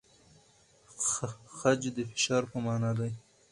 خج د فشار په مانا دی؟